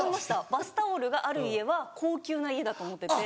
バスタオルがある家は高級な家だと思ってて。